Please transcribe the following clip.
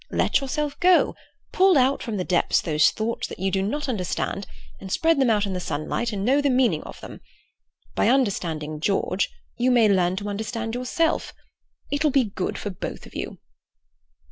Let yourself go. Pull out from the depths those thoughts that you do not understand, and spread them out in the sunlight and know the meaning of them. By understanding George you may learn to understand yourself. It will be good for both of you."